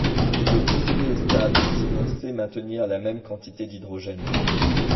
Le procédé est stable si l'on sait maintenir la même quantité d'hydrogène.